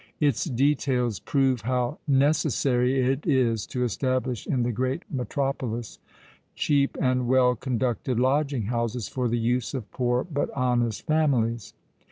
Its details prove how necessary it is to establish in the great metropolis cheap and well conducted lodging houses for the use of poor but honest families.